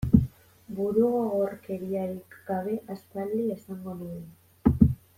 Burugogorkeriarik gabe aspaldi esango nuen.